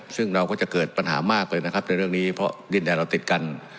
ซึ่งเราก็จะเกิดปัญหามากเลยนะครับในเรื่องนี้เพราะดินแดนเราติดกัน